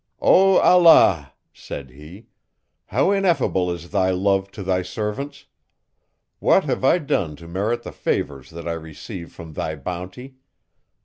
"O Allah!" said he, "how ineffable is thy love to thy servants. What have I done to merit the favours, that I receive from thy bounty?